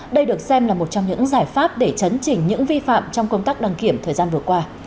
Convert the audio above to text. đây được xem là một trong những giải pháp để chấn chỉnh những vi phạm trong công tác đăng kiểm thời gian vừa qua